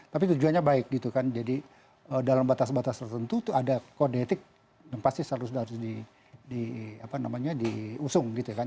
tapi tujuannya baik gitu kan jadi dalam batas batas tertentu itu ada kode etik yang pasti harus diusung gitu ya kan